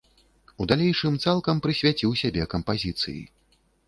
У далейшым цалкам прысвяціў сябе кампазіцыі.